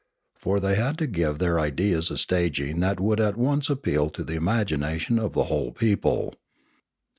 For they had to give their ideas a staging that would at once appeal to the imagination of the whole people.